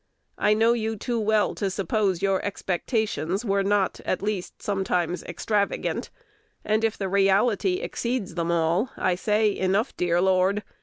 I know you too well to suppose your expectations were not, at least, sometimes extravagant, and, if the reality exceeds them all, I say, Enough, dear Lord.